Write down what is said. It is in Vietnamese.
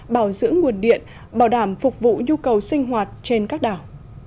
bảo dưỡng nguồn điện bảo đảm phục vụ nhu cầu sinh hoạt trên các đảo